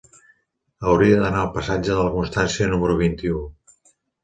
Hauria d'anar al passatge de la Constància número vint-i-u.